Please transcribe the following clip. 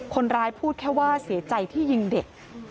คนร้ายพูดแค่ว่าเสียใจที่ยิงเด็ก